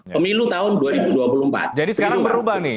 pemilu tahun dua ribu dua puluh empat